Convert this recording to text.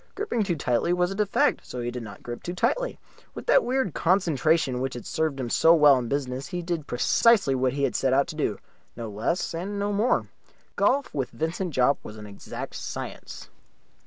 Gripping too tightly was a defect, so he did not grip too tightly. With that weird concentration which had served him so well in business he did precisely what he had set out to do no less and no more. Golf with Vincent Jopp was an exact science.